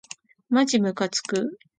まじむかつく